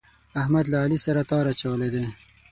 احمد له علي سره تار اچولی دی.